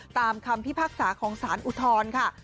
ตามคำพิพากษาของสารอุทธรณ์ค่ะ